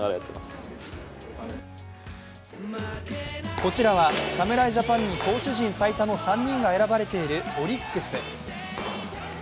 こちらは侍ジャパンに投手陣最多の３人が選ばれているオリックス。